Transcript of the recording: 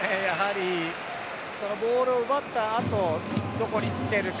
ボールを奪ったあとどこにつけるか。